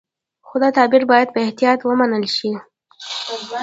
خو دا تعبیر باید په احتیاط ومنل شي.